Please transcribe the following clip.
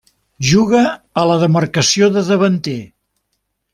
Juga a la demarcació de davanter.